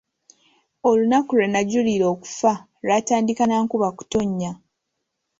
Olunaku lwe najulira okufa lwatandika na nkuba kutonnya.